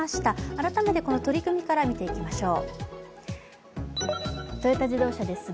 改めて、この取り組みから見ていきましょう。